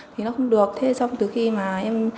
thì nó không được thế xong từ khi mà em